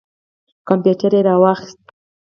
کمپیوټر یې را واخیست.